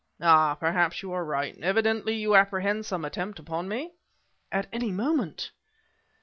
"Ah! perhaps you are right. Evidently you apprehend some attempt upon me?" "At any moment!"